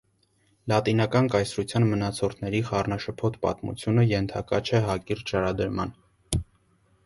Լատինական կայսրության մնացորդների խառնաշփոթ պատմությունը ենթակա չէ հակիրճ շարադրման։